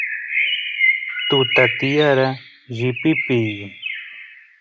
tuta tiyara llipipiy